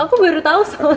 aku baru tau soalnya